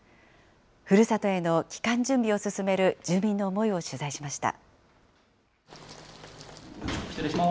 ふるさとへの帰還準備を進める住民の思いを取材しました。